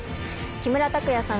木村拓哉さん